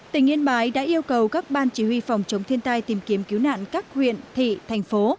tỉnh yên bái đã yêu cầu các ban chỉ huy phòng chống thiên tai tìm kiếm cứu nạn các huyện thị thành phố